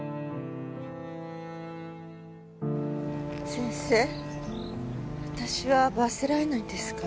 先生私は罰せられないんですか？